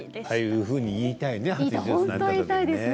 ああいうふうに言いたいですね。